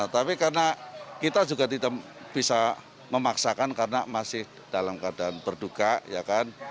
tapi karena kita juga tidak bisa memaksakan karena masih dalam keadaan berduka ya kan